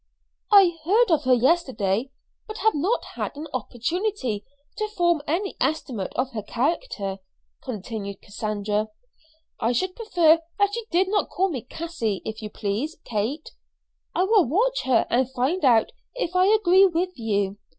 "I heard of her yesterday, but have not had an opportunity to form any estimate of her character," continued Cassandra. "I should prefer that you did not call me Cassie, if you please, Kate. I will watch her and find out if I agree with you.